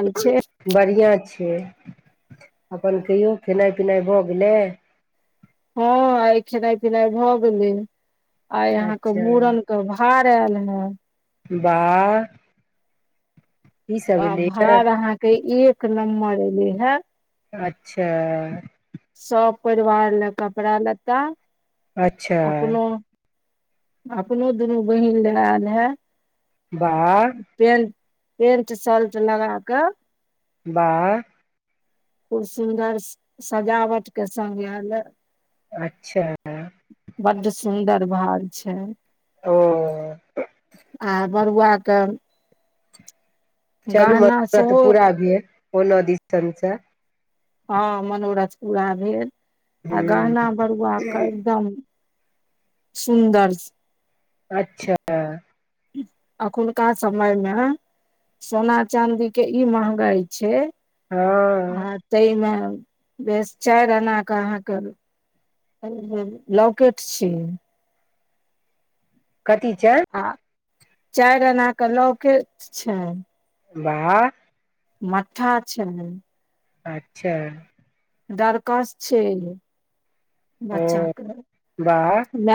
आयल छै बढ़िआँ छैय अपन कहियो खेनाइ पिनाइ भ गेलै? ह आइ खेनाई पिनाइ भ गेलै आइ अहा के अच्छा मुड़न के भ भार आएल रहे। बाह। अ एलैए भार अहाँके एक नम्बर एलै है। अच्छा। सब परिवार ले कपड़ा लत्ता अच्छा अपनो अपनो दुनु बहीन ला आयल हे वाह। पेंट सल्ट लगा कऽ बा। खुब सुन्दर ससजावट के संग आले। अच्छा। बड सुन्दर भाड़ छै। ओ। आ बरुआ के चलू गहना मनोरथ सेहो पूरा भेल कोनो दिसन सऽ। ह मनोरथ पुरा भेल आ गहना हूँ बरुआक एकदम। सुन्दरस। अच्छा। अखुनका समय मे सोना चाँदी के ई महंगाई छै ह। तै मे बेस चायर आना क अहाँके। लॉकेट छै। कथी छै? आ चायर अना के लाकेट छैन वाह। मठा छैन। अच्छा। डरकस छै ओ बच्चाक वाह ल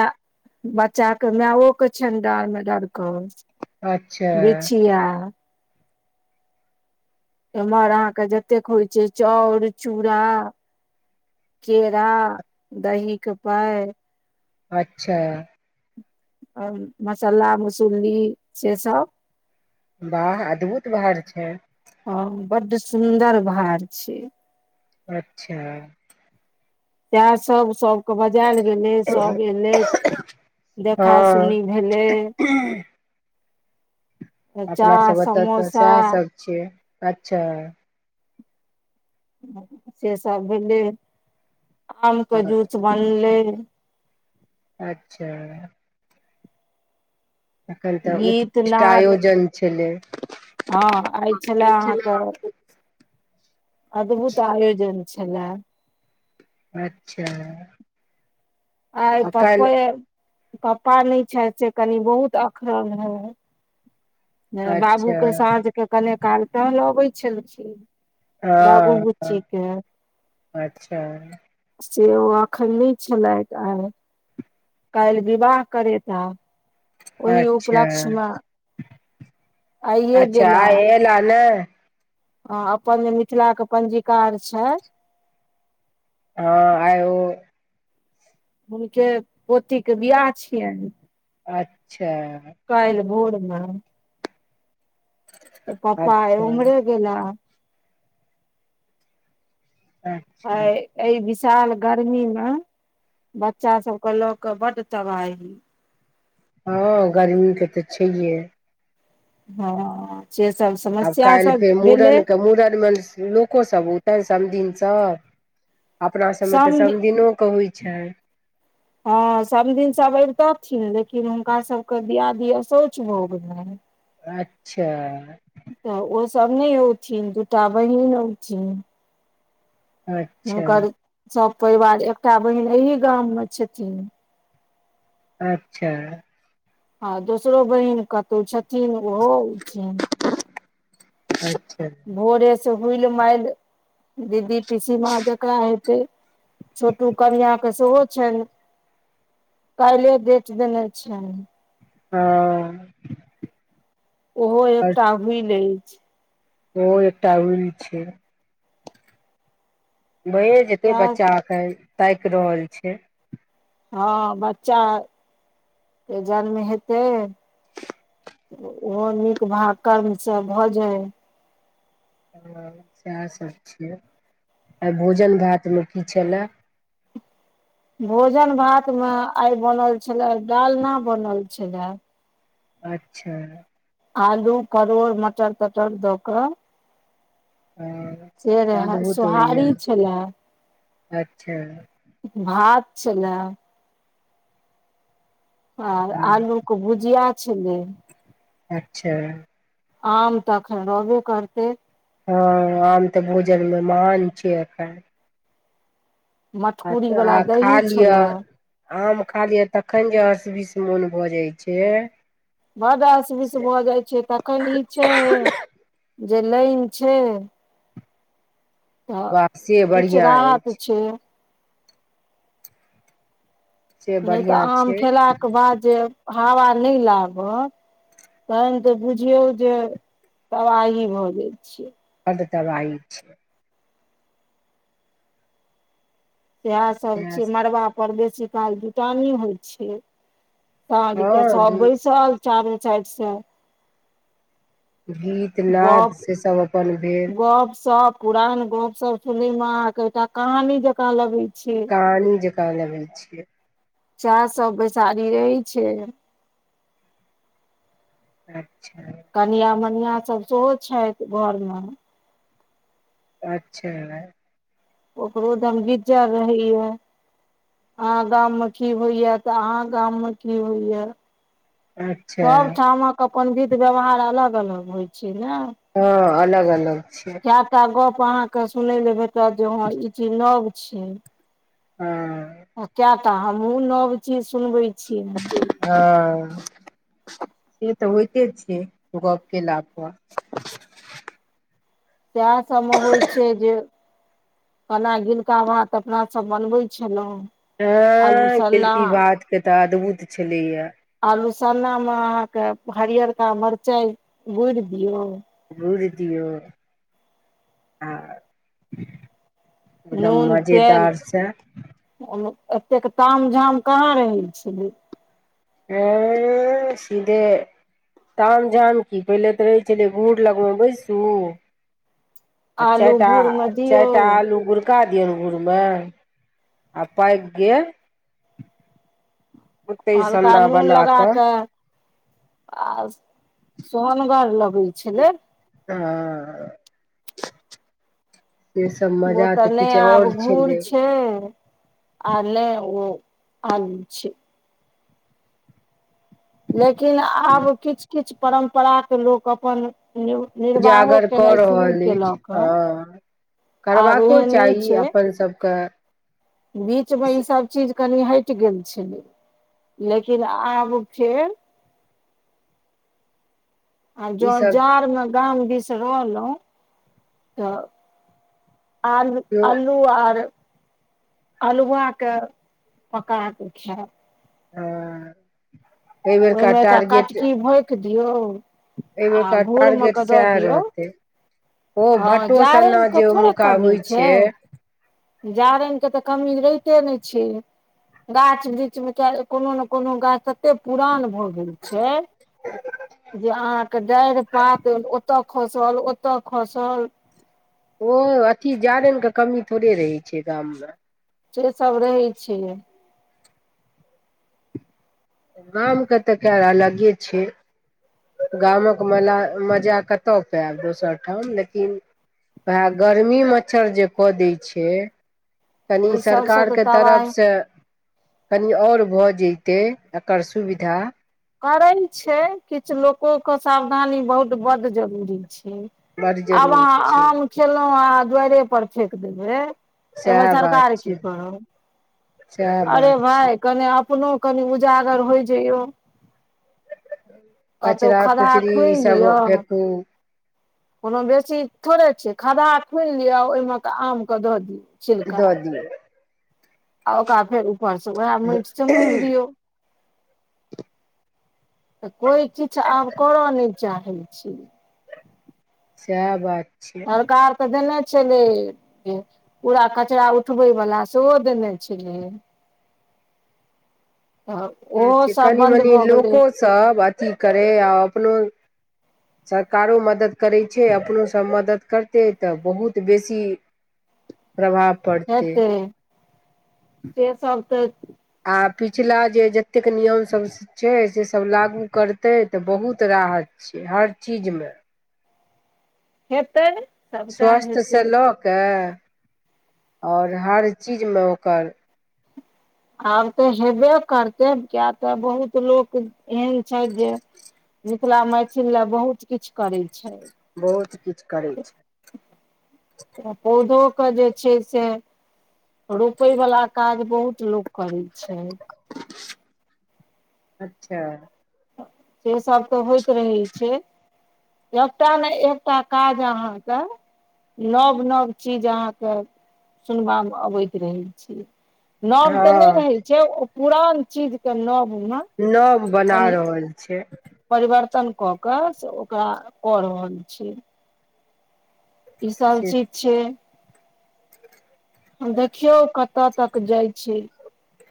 बच्चा के मांओ के छैन डांड़ मे डरकस अच्छा बिछिया। ऐमहर अहाँके जतेक होइ छै चाउर चूरा। केरा दही के पा‌इ। अच्छा। आ मसाला मसुली से सब। बाह अद्भुत भाड़ छै। ह बड सुन्दर भाड़ छै। अच्छा। तें सब सब। बजेल गेलै, सब एलै, देखा हँ सुनी भेलै। अपना चाह सब ओत त समोसा सेह सब छै अच्छा। से सब भेलै, आम के जूस बनलै। अच्छा। एखन गीत तऽ [inaudible] नाद आयोजन छलै। हँ आइ छले अहाँके अद्भुत आयोजन छले। अच्छा। आइ आ काल्हि पप्पे पप्पा नहि छैथ से कनि बहुत अखरल हे। ने अच्छा बाबूक साँझ के कने काल टहलबय छलखिन। बाबू ह बुच्ची के अच्छा। से ओ अखैन नै छलैथ आइ। काल्हि विवाह करेता। ओहि अच्छा उपलक्ष्य में आइए अच्छा गेला। [unintelligible] अपन मिथिलाक पञ्जीकार छैय हँ आइ ओ हुनके पोती के बियाह छियनि। अच्छा। काल्हि भोर में। तऽ पप्पा आइ अच्छा ओम्हरे गेला हें। अच्छा आइ अइ विशाल गर्मी में बच्चा सबके लके बड तबाही। हँ गर्मी के तऽ छैइये। हँ। से सब आब समस्या काल्हि सब फेर भेलै मुड़न के, मुड़न में [unintelligible] को सभ औतय समधिन सब अपना सबमें तऽ समधि समधिनो के होइ छय। हँ समधिन सब ऐबितथिन लेकिन हुनका सबके दियादी अशौच भऽ गेलनि। अच्छा। तऽ ओ सभ नै औथिन दूटा बहीन औथिन। अच्छा हुनकर सब परिवार एकटा बहीन एहि गाम में छथीन। अच्छा। आ दोसरो बहीन कतहु छथिन ओहो औथिन। [inaudible] भोरे से हुलि मालि दीदी पिसीमाँ [unintelligible] ते छोटू कनियाँक सेहो छनि। काइले डेट देने छैनि। ह। ओहो एकटा भुलि अछि। ओ एकटा [unintelligible] छैय। भए जेतै सएह बच्चा कालि ताकि रहल छैय। हँ बच्चा के जन्म हेतै। ओहो नीक भाग कर्मसे भऽ जाय। ह सएह सब छियै, आइ भोजन भात मे की छलए भोजन भात मे आइ बनल छले डालना बनल छलए। अच्छा। आलू परोर मटर तटर द कऽ आओर से रहेए सोहारी छलए। अच्छा। भात छलेए। आर हँ, आलू के भुजिया छलै। अच्छा, आम तऽ अखन रहबे करतै। हँ आम तऽ भोजनमे महान छियै एखन। मटकुरी हाथे वाला हाथ खा दही लिअ। छलए आम खा लियऽ तखैन जे असबिस मोन भऽ जाइत छै। बड असबिस भऽ जाइ छै तखन ई छै जे लाइन छै। तऽ वाह सेए किछु बढ़िआँ राहत अछि। छै से नहि तऽ बढ़ियां आम छै खेलाके बाद जे हावा नहि लागत तहन तऽ बुझियौ जे तबाही भऽ जाय छै। बड्ड तबाही छै। सएह सभ छै, सब मड़बा छै। पर बेसी काल जुटानी होइ छै। सांझ के हँ सब गी बैसल चारू साइड से। गीत नाद गप से सभ अपन भेल। गप सप। पुरान गप सब सुनै मे अहाँके एकटा कहानी जकाँ लगै छै। कहानी जकाँ लगै छै। सेएह सब बेैसारी रहै छै। अच्छा, कनिया मनिया सब सेहो छथि घरमे। अच्छा। ओकरो धमगिज्जर रहैये। अहाँ गाम मे की होइये तऽ अहाँ गाम मे की होइये। अच्छा सबठामक अपन विध व्यवहार अलग अलग होइ छै ने। हँ अलग अलग छै। कएटा गप अहाँ के सुनय ले भेटत जे हं ई चीज नव छै। हँ कएटा हमहुँ नव चीज सुनबै छियैन। हॅं से तऽ होइते छै गप केला पर। सएह सबमे होइ छै जे केना गिलका भात अपना सब बनबै छलहुँ। आलू एंह सन्ना गिलकि भात के तऽ अद्भुत छलैये। आलूसन्ना मे अहाँके हरियरका मरचाइ गुरि दियौ। गुरि दियऔ आ। एकदम मजेदार से ओइमे एतेक ताम झाम कहाँ रहै छलै। एंह सीधे ताम झाम की पहिले तऽ रहै छलै घूर लगमे बैसू आ आलू भूरमे चारिटा- दियौ चारिटा आलू गुरि के पका दिय घूरमे आ पाइक गेल- ओतै हल्का सन्ना नून बना लगा कऽ। आ सोहनगर लगै छलै। ह। ओ तऽ नहि किछु आब आओर घूर छलै छै आ नै ओ आलू छै। लेकिन आब किछु किछु परम्परा के लोक अपन नि- निर्वाहो उजागर कऽ केयनाइ शुरू रहल कयल अछि कऽ। हँ करबाको चाही अपन सभके- बीच मे ई सब चीज कनि हइट गेल छलै लेकिन आब फेर आ ई जं सब जाड़मे गाम दिस रहलहुँ तऽ आ अल। केओ आल्लू आर अलहुआ के पका के खायब। ह एहि बेरका टारगेट- क दिऔ आ एहिबेरका टारगेट घुड़मक द सएह दिऔ। रहतै ओ हँ भट्टो जारैन सन्ना के जे थोड़े ओमुका कमी होइ छै। जारनिे के तऽ कमी रहिते ने छै। गाछ वृक्ष मे किए -कोनो ने कोनो गाछ तते पुरान भ गेल छै, जे अहाँके डाइढ़ पात ओतय खसल ओतय खसल- ओ अथी जारनिे के कमी थोड़े रहै छै गाममे- से सब रहै छै। गाम के तऽ कैर अलगे छै। गामक म मला -मजा कतय पायब दोसर ठाम लेकिन- वएह गर्मी मच्छर जे कऽ दै छै- कनि ओहि सबसँ तऽ सरकारके तबाही तरफसँ- कनि आओर भऽ जतै एकर सुविधा- करै छै किछु लोको क सावधानी बहुत बड जरूरी छै। बड आब अहाँ जरूरी छै आम खेलहुँ अहाँ दुआरे पर फेक देबै- सएह एहिमे बात सरकार की छै करत सएह अरे बात छै भाय कने अपनो- कनि उजागर होइ जइयौ- कतहु कचरा खदहा कुचरी ई खुइन सब दिअउ- फेकू कोनो बेसी थोड़े छै खद्हा खुनि लिय ओहिमे क आम के दऽ दियौ। छिलका इद दियौ। आ ओकरा फेर ऊपर से उएह मैट स मुइन दिऔ। [unintelligible] [unintelligible] तऽ कोई चीछ आब करऽ नहि चाहै छय। सएह बात- छै सरकार तऽ देने छलै [unintelligible] पूरा कचराा उठबै वला सेहो देने छलै। [inaudible] तऽ ओहो सब थी-कनि बन्द मनि भऽ गेलै लोकोसभ अथी करै आ अपनो- सरकारो मदति करै छै अपनोसभ मदति करतै तऽ बहुत बेसी- प्रभाव- पड़तै हेतय, से सब त- आ पिछला जे जतेक नियम सब छै से सब लागू करतै तऽ बहुत राहत छै हर चीजमे। हेत्तै स्वस्थ्य स लऽ कऽ आओर हर चीजमे ओकर आब तऽ हेबे करते किया तऽ बहुत लोक एहन छैथ जे मिथिला मैथिल ल बहुत किछु करे छै। बहुत किछु करै छै। त पौधोे क जे छै से रोपइ बला काज बहुत लोक करै छै। अच्छा से सब तऽ होइत रहै छै। एकटा ने एकटा काज अहाँके नब नब चीज अहाँ के सुनबा मे अबैत रहै छी। नब तऽ नहि हँ रहै छै, ओ पुरान चीज क नब मे नब बना रहल छै। परिवर्तन कऽ कऽ से ओकरा कऽ रहल छै। ई सब से चीज छियै हँ देखियौ कतऽ तक जाय छै।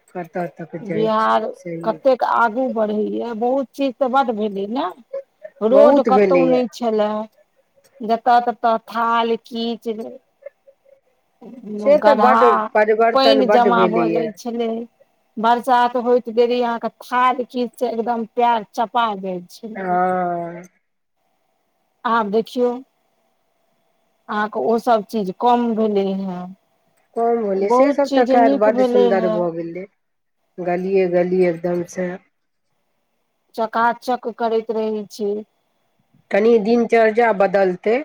कतऽ तक जाइ छियै बिहार सही कतेक आगू बढ़ै य बहुत चीज तऽ बड भेलै न! रोड बहुत कतहु भेलैया नहि छलए जतऽ ततऽ थाल कीच से तऽ बड्ड गड्हा परिवर्तन पइन बड्ड जमा भऽ भेलैए जाइ छलै। बरसात होइत देरी अहाँ के थाल -कीच स एकदम पैर चपा गेल। ह। आब देखियौ अहाँके ओसभ चीज कम भेलै हेँ। कम होलै से बहुत सब तऽ चीज खैर नीक बड्ड भेलै सुन्दर हेँ भऽ गेलै। गलिये गलिये एकदमसँ चकाचक करैत रहै छै। कनि दिनचर्जा बदलतै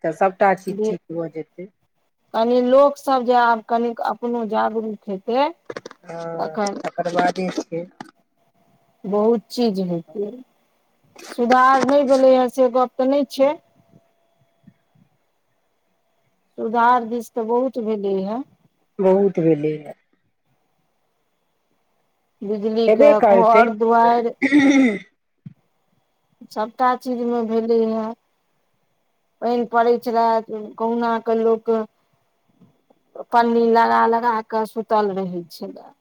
तऽ सभटा चीज जे ठीक भऽ जेतै। कनि लोकसभ जे आब कनिक अपनो जागरूक हेतै हँ तखन अकर बादे हेतै। बहुत चीज हेत्ते, सुधार नहि भेलै ह से गप तऽ नहि छै? सुधार दिस तऽ बहुत भेले य। बहुत भेलै ह। हेबे बिजलीके करतै घर दुआरि सबटा चीजमे भेलै ह। पइन पड़ैत छेला। कहुना कऽ लोक पन्नी लगा-लगा क सुतल रहै छेला।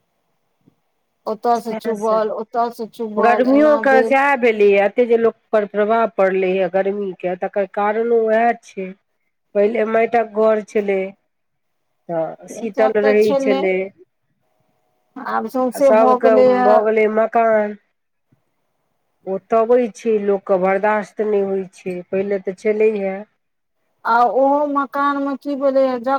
ओतऽसँ सएह सब चुभल, ओतऽसँ चुभल एना गर्मियोके भेल। सएह भेलैए एते जे लोक पर प्रभाव पड़लै य गर्मी के तकर कारणो उएह छै। पहिले मैटक घर छलै तऽ, सीतल सभ तऽ रहैत छलै। हँ आब आ सौँसे भऽ सभके गेलै हे भऽ गेलै मकान। ओतबैत छै, लोकके बर्दाश्त नहि होइत छै, पहिले तऽ चलेया। आ ओहो मकान में की बोले या जब